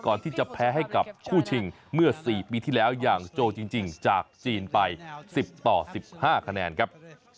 ก่อนที่จะแพ้ให้กับคู่ชิงเมื่อ๔ปีที่แล้วอย่างโจจริงจากจีนไป๑๐ต่อ๑๕คะแนนครับ